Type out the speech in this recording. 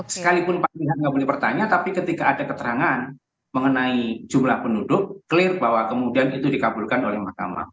sekalipun pak wiran nggak boleh bertanya tapi ketika ada keterangan mengenai jumlah penduduk clear bahwa kemudian itu dikabulkan oleh mahkamah